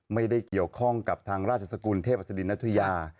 ไม่ได้เกี่ยวข้องกับทางราชสกรุนเทพศดีณธุญา